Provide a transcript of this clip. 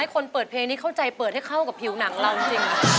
คนเปิดเพลงนี้เข้าใจเปิดให้เข้ากับผิวหนังเราจริง